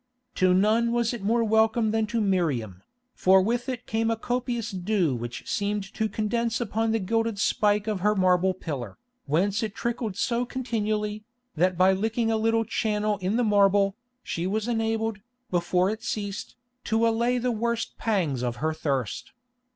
To none was it more welcome than to Miriam, for with it came a copious dew which seemed to condense upon the gilded spike of her marble pillar, whence it trickled so continually, that by licking a little channel in the marble, she was enabled, before it ceased, to allay the worst pangs of her thirst.